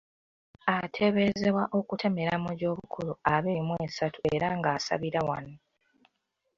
Ateeberezebwa okutemera mu gy'obukulu abiri mu esatu era ng'asabira wano.